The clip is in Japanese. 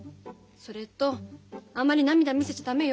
それとあんまり涙見せちゃ駄目よ。